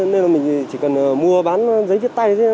nên là mình chỉ cần mua bán giấy viết tay